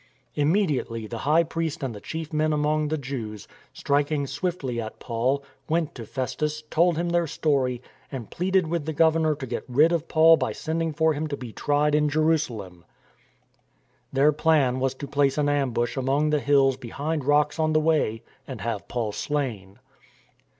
Immediately the high priest and the chief men among the Jews, striking swiftly at Paul, went to Festus, told him their story, and pleaded with the 310 STORM AND STRESS governor to get rid of Paul by sending for him to be tried in Jerusalem. Their plan was to place an ambush among the hills behind rocks on the way and have Paul slain.